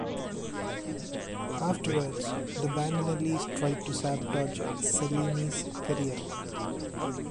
Afterwards, the Bandinelli tried to sabotage Cellini's career.